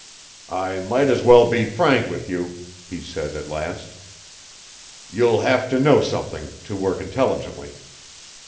"I might as well be frank with you," he said at last. "You'll have to know something, to work intelligently.